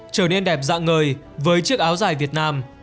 trở nên đẹp dạng ngời với chiếc áo dài việt nam